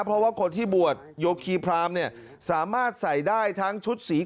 เพราะว่าคนที่บวชโยคีพรามเนี่ยสามารถใส่ได้ทั้งชุดสีขาว